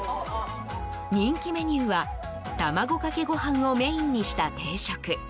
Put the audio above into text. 人気メニューは卵かけご飯をメインにした定食。